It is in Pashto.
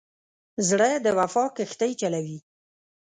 زړه د وفا کښتۍ چلوي.